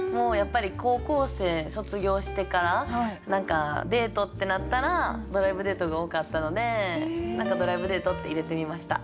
高校生卒業してからデートってなったらドライブデートが多かったので「ドライブデート」って入れてみました。